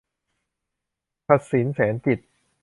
พศิน แสนจิตต์